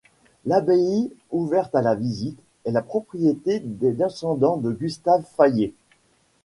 L'abbaye, ouverte à la visite, est la propriété des descendants de Gustave Fayet.